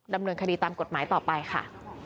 ดำเนินคดีตามกฎหมายต่อไปค่ะ